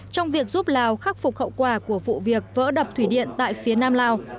trong việc giúp lào khắc phục hậu quả của vụ việc vỡ đập thủy điện tại phía nam lào